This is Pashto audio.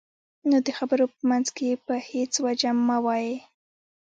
نو د خبرو په منځ کې په هېڅ وجه مه وایئ.